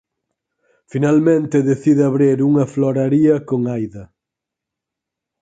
Finalmente decide abrir unha floraría con Aida.